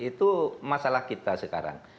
itu masalah kita sekarang